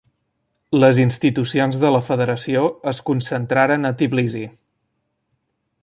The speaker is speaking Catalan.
Les institucions de la federació es concentraren a Tbilisi.